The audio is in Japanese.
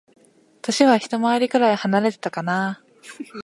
歳はひと回りくらい離れてたかな。